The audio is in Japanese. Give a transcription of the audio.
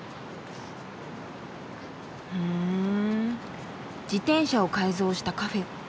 ふん自転車を改造したカフェ。